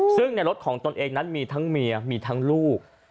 ซึ่งในรถของตนเองนั้นมีทั้งเมียมีทั้งลูก